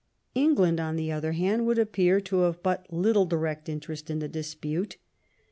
England, on the other hand, would appear to have but little direct interest in the dispute.